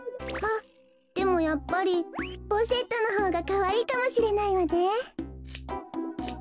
あっでもやっぱりポシェットのほうがかわいいかもしれないわね。